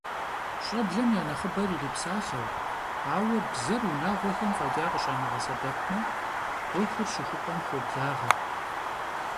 ЩӀэблэм я нэхъыбэр ирипсалъэу, ауэ бзэр унагъуэхэм фӀэкӀа къыщамыгъэсэбэпмэ, Ӏуэхур щыхупӏэм хуоблагъэ.